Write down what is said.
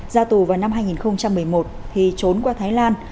ra tù vào năm hai nghìn một mươi một thì trốn qua thái lan